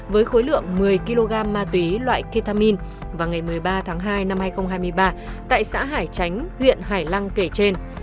với khối lượng một mươi kg ma túy loại ketamin vào ngày một mươi ba tháng hai năm hai nghìn hai mươi ba tại xã hải chánh huyện hải lăng kể trên